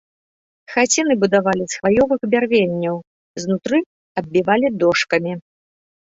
Хаціны будавалі з хваёвых бярвенняў, знутры аббівалі дошкамі.